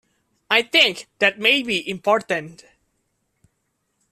I think that may be important.